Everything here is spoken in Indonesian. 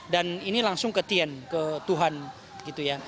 dan ini langsung ke tien ke tuhan gitu ya